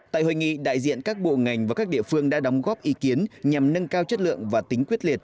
tại hội nghị đại diện các bộ ngành và các địa phương đã đóng góp ý kiến nhằm nâng cao chất lượng và tính quyết liệt